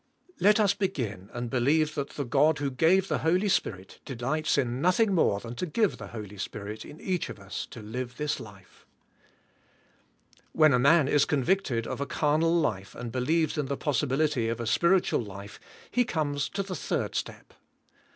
Let us begin and believe that the God who gave the Holy Spirit delights in nothing more than to give the Holy Spirit in each of us to live this life. When a man is convicted of a carnal life and be 12 THE SPIRITUAL LIFE. lieves in the possibility of a spiritual life he comes to the third step. 3rd.